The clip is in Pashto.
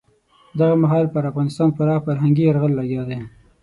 دغه مهال پر افغانستان پراخ فرهنګي یرغل لګیا دی.